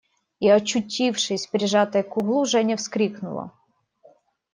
И, очутившись прижатой к углу, Женя вскрикнула.